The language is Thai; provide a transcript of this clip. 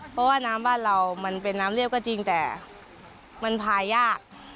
เพราะว่าน้ำบ้านเรามันเป็นน้ำเรียบก็จริงแต่มันพายาก